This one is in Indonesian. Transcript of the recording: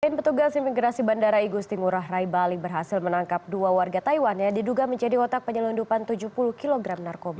tim petugas imigrasi bandara igusti ngurah rai bali berhasil menangkap dua warga taiwan yang diduga menjadi otak penyelundupan tujuh puluh kg narkoba